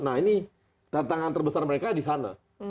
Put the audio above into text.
nah ini tantangan terbesar mereka di sana